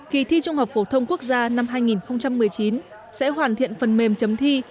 kỳ thi trung học phổ thông quốc gia năm hai nghìn một mươi chín sẽ hoàn thiện phần mềm chấm thi